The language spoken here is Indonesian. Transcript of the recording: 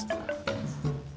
kamus begini berusaha meato